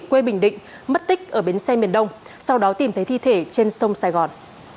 quê bình định mất tích ở bến xe miền đông sau đó tìm thấy thi thể trên sông sài gòn